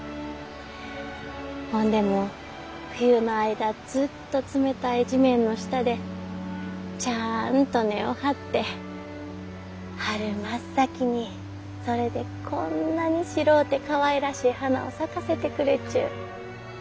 ほんでも冬の間ずっと冷たい地面の下でちゃあんと根を張って春真っ先にそれでこんなに白うてかわいらしい花を咲かせてくれちゅう。